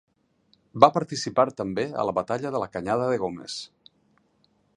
Va participar també a la batalla de la Canyada de Gómez.